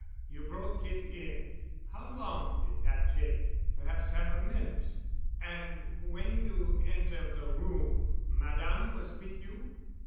You broke it in? How long did that take?" "Perhaps half a minute." "And when you entered the room, Madame was with you?"